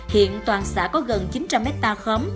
hiện toàn xã có gần chín trăm linh hectare khóm